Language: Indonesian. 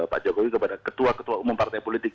pak jokowi kepada ketua ketua umum partai politik